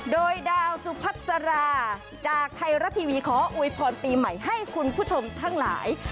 โดยดาวสุพัสราจากไทยรัฐทีวีขออวยพรปีใหม่ให้คุณผู้ชมทั้งหลาย